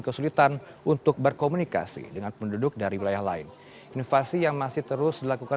kesulitan untuk berkomunikasi dengan penduduk dari wilayah lain inovasi yang masih terus dilakukan